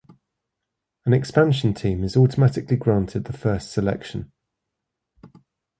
An expansion team is automatically granted the first selection.